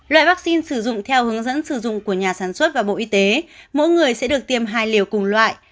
loại vaccine sử dụng theo hướng dẫn sử dụng của nhà sản xuất và bộ y tế mỗi người sẽ được tiêm hai liều cùng loại